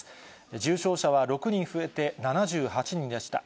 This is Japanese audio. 重症者は６人増えて７８人でした。